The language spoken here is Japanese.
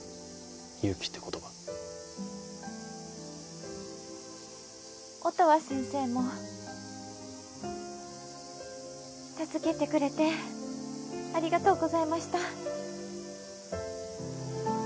勇気って言葉音羽先生も助けてくれてありがとうございました